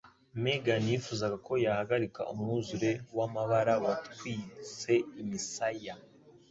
Megan yifuzaga ko yahagarika umwuzure w'amabara watwitse imisaya.